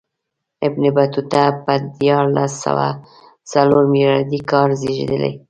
ابن بطوطه په دیارلس سوه څلور میلادي کې زېږېدلی.